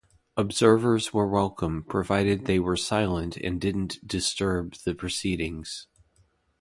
Observers were welcome, provided they were silent and didn't disturb the proceedings.